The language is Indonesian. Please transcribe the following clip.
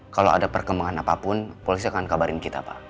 kalau ada perkembangan apapun polisi akan kabarin kita pak